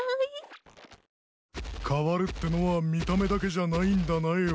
変わるってのは見た目だけじゃないんだなよ。